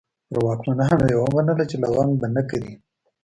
پر واکمنانو یې ومنله چې لونګ به نه کري.